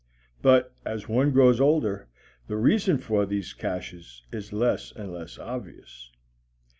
But as one grows older the reason for these caches is less and less obvious.